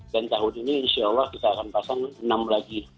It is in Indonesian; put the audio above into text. dan tahun ini insya allah kita akan pasang enam lagi